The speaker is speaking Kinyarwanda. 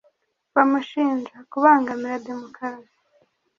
bamushinja kubangamira demokarasi